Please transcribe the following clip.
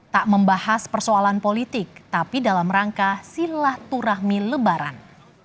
tak membahas persoalan politik tapi dalam rangka silaturahmi lebaran